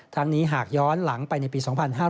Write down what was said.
ทั้งนี้หากย้อนหลังไปในปี๒๕๕๖๒๕๖๐